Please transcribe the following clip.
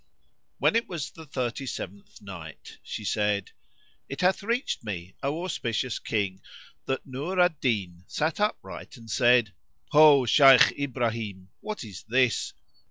When it was the Thirty seventh Night, She said, It hath reached me, O auspicious King, that Nur al Din sat upright and said, "Ho, Shaykh Ibrahim, what is this?